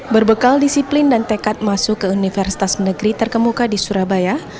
berbekal disiplin dan tekad masuk ke universitas negeri terkemuka di surabaya